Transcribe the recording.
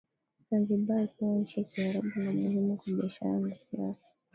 Zanzibar ikawa nchi ya Kiarabu na muhimu kwa biashara na siasa